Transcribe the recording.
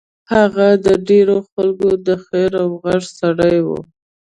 هغه د ډېرو خلکو د خېر او غږ سړی و.